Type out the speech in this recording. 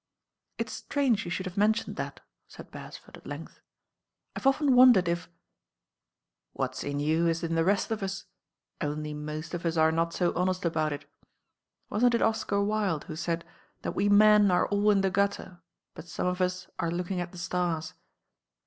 "It's strange you should have mentioned that," said Beresford, at length. "I've often wondered if " "What's in you is in the rest of us, only most of us are not so honest about it. Wasn't it Oscar Wilde who said that we men are all in the gutter; but some of us are looking at the stars.